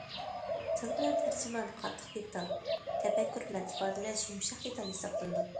تىل بىلەن تەرجىمان قاتتىق دېتال، تەپەككۇر بىلەن ئىپادىلەش يۇمشاق دېتال ھېسابلىنىدۇ.